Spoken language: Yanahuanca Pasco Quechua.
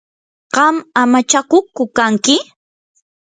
¿qam amachakuqku kanki?